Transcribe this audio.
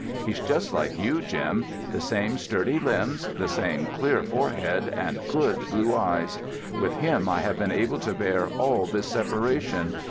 He's just like you, Jim: the same sturdy limbs, the same clear forehead, and good blue eyes. With him I have been able to bear all this separation.